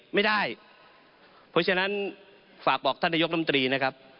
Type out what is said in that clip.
ไม่ได้เพราะฉะนั้นฝากบอกท่านนายกรมตรีนะครับ